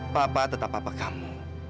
papa tetap papa kamu